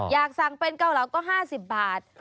อยากสั่งเป็นเกาเหลาก็๕๐บาท